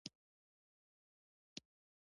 زہ ښوونځي ته ځم